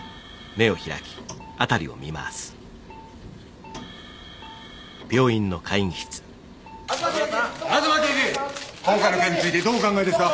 今回の件についてどうお考えですか？